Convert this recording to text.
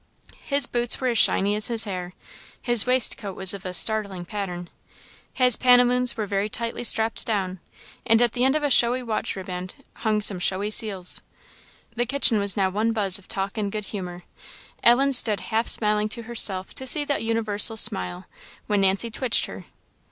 His boots were as shiny as his hair; his waistcoat was of a startling pattern; his pantaloons were very tightly strapped down; and at the end of a showy watch riband hung some showy seals. The kitchen was now one buzz of talk and good humour; Ellen stood half smiling to herself to see the universal smile, when Nancy twitched her.